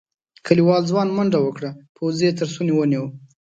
کليوال ځوان منډه وکړه پوځي یې تر ستوني ونيو.